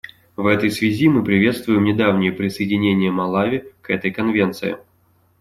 В этой связи мы приветствуем недавнее присоединение Малави к этой Конвенции.